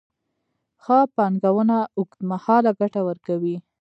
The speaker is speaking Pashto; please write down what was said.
ښه پانګونه اوږدمهاله ګټه ورکوي.